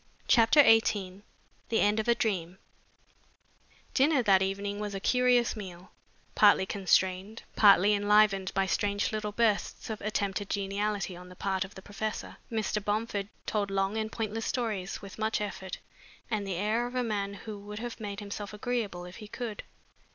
CHAPTER XVIII THE END OF A DREAM Dinner that evening was a curious meal, partly constrained, partly enlivened by strange little bursts of attempted geniality on the part of the professor. Mr. Bomford told long and pointless stories with much effort and the air of a man who would have made himself agreeable if he could.